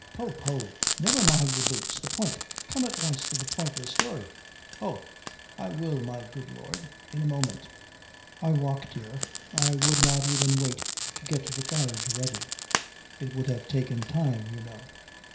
"Poh, poh never mind your boots: the point come at once to the point of the story." "Oh I will, my good Lord, in a moment. I walked here I would not even wait to get the carriage ready it would have taken time, you know.